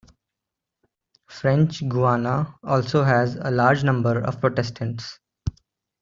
French Guiana also has a large number of Protestants.